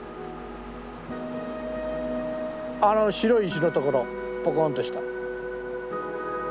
あの白い石のところぽこんとした。